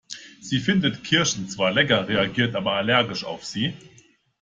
Sie findet Kirschen zwar lecker, reagiert aber allergisch auf sie.